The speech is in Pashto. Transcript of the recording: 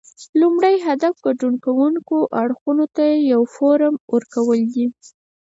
لومړی هدف ګډون کوونکو اړخونو ته یو فورم ورکول دي